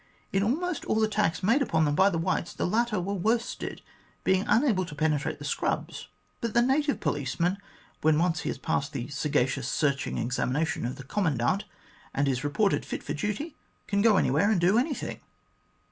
In almost all attacks made upon them by the whites, the latter were worsted, being unable to penetrate the scrubs, but the native policeman, when once he has passed the sagacious searching examination of the Commandant, and is reported fit for duty, can go anywhere and do anything.